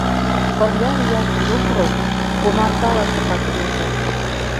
Пырля лияш йокрок, омартала шыпак шинча.